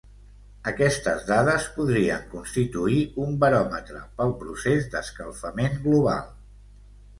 Aquestes dades podrien constituir un baròmetre pel procés d'escalfament global.